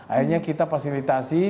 akhirnya kita fasilitasi